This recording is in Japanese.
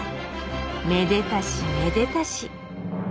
めでたしめでたし！